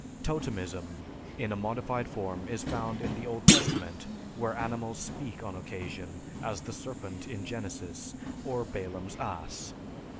Totemism in a modified form is found in the Old Testament where animals speak on occasion, as the serpent in Genesis, or Balaam's ass.